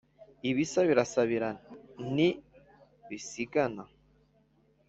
Ibisa birasabirana nti bisigana